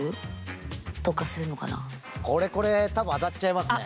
俺これ多分当たっちゃいますね。